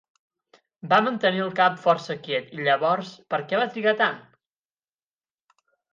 Va mantenir el cap força quiet i llavors... per què va trigar tant?